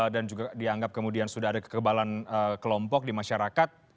dan juga dianggap kemudian sudah ada kekebalan kelompok di masyarakat